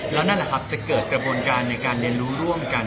แล้วนั่นแหละครับจะเกิดกระบวนการในการเรียนรู้ร่วมกัน